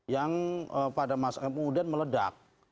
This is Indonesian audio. yang pada masa kemudian meledak